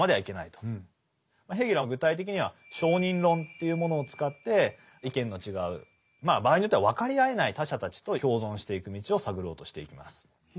ヘーゲルは具体的には承認論というものを使って意見の違う場合によっては分かり合えない他者たちと共存していく道を探ろうとしていきます。